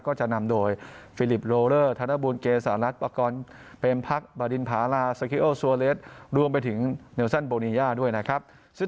ก็จะนำโดยฟิลิปโรเลอร์ธนบุญเกสอรัตประกอบเป็นพักษ์บรรดินภาราสเกียลซัวเลสรวมไปถึงเหนือสั้นโบเนียด้วยนะครับ